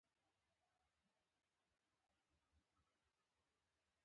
مړه ته د زړه پاکه دعا ورکوو